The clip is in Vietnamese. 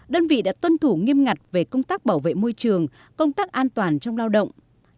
đơn vị đã tuân thủ nghiêm ngặt về công tác bảo vệ môi trường công tác an toàn trong lao động